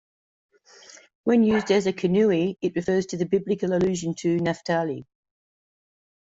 When used as a kinnui, it refers to the Biblical allusion to Naphtali.